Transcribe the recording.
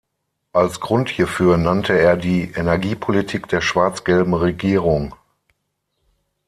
Als Grund hierfür nannte er die Energiepolitik der schwarz-gelben Regierung.